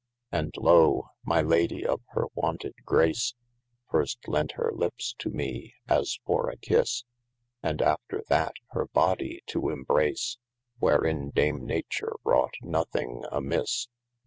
' And lo, my Lady of hir wonted grace, First lent hir lippes to me (as for a kisse) And after that hir bodye to imbrace, Wherein dame nature wrought nothing amisse.